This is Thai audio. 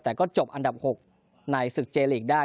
แต่ก็จบอันดับ๖ในศึกเจลีกได้